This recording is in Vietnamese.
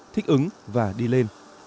thích ứng và đi lên